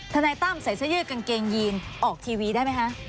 นายตั้มใส่เสื้อยืดกางเกงยีนออกทีวีได้ไหมคะ